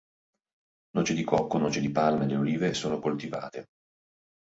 Noce di cocco, noci di palma, e le olive sono coltivate.